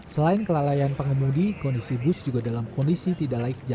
selain kelalaian pengemudi kondisi bus juga dalam kondisi tidak layak jalan